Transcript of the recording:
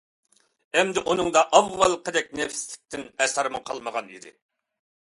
ئەمدى ئۇنىڭدا ئاۋۋالقىدەك نەپىسلىكتىن ئەسەرمۇ قالمىغانىدى.